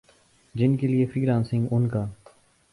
جن کے لیے فری لانسنگ ان کا